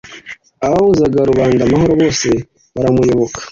ababuzaga rubanda amahoro bose baramuyoboka